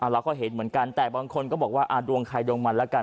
เราก็เห็นเหมือนกันแต่บางคนก็บอกว่าดวงใครดวงมันแล้วกัน